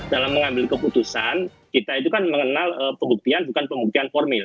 dalam mengambil keputusan kita itu kan mengenal pembuktian bukan pembuktian formil